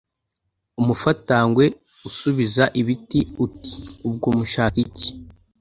umufatangwe usubiza ibiti uti ubwo mushaka iki?